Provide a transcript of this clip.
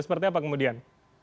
seperti apa kemudian